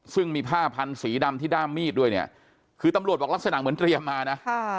ซึ่งมีผ้าพันธีดำที่ด้ามมีดด้วยเนี่ยคือตำรวจบอกลักษณะเหมือนเตรียมมานะ